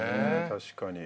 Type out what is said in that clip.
確かに。